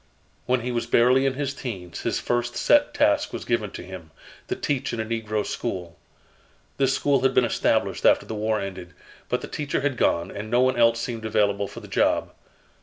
When he was barely in his 'teens, his first set task was given him to teach in a negro school. This school had been established after the War ended, but the teacher had gone, and no one else seemed available for the job.